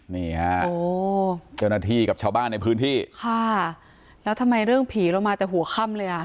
นี่ฮะโอ้เจ้าหน้าที่กับชาวบ้านในพื้นที่ค่ะแล้วทำไมเรื่องผีเรามาแต่หัวค่ำเลยอ่ะ